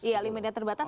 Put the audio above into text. iya limitnya terbatas